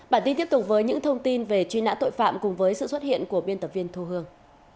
bản tin tiếp tục với những thông tin về truy nã tội phạm cùng với sự xuất hiện của biên tập viên thu hương